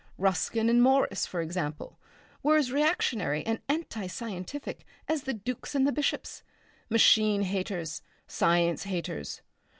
Ruskin and Morris, for example, were as reactionary and anti scientific as the dukes and the bishops. Machine haters. Science haters.